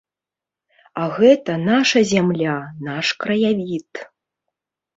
А гэта наша зямля, наш краявід.